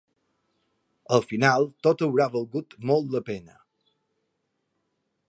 Al final tot haurà valgut molt la pena.